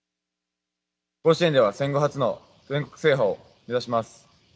甲子園では戦後初の全国制覇を目指します。